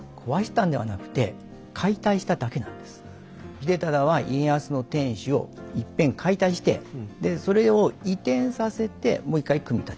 秀忠は家康の天守をいっぺん解体してそれを移転させてもう一回組み立てた。